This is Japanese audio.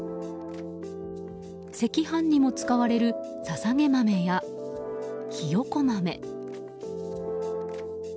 赤飯にも使われるささげ豆やひよこ豆。